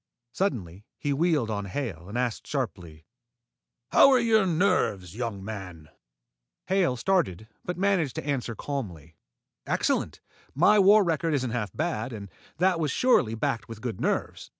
Suddenly he wheeled on Hale and asked sharply, "How are your nerves, young man?" Hale started, but managed to answer calmly. "Excellent. My war record isn't half bad, and that was surely backed with good nerves."